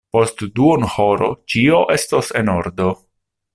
Post duonhoro ĉio estos en ordo.